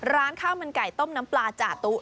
ร้านข้าวมันไก่ต้มน้ำปลาจาตุ